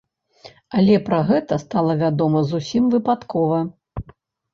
Але пра гэта стала вядома зусім выпадкова.